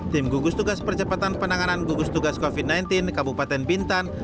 tim gugus tugas percepatan penanganan gugus tugas covid sembilan belas kabupaten bintan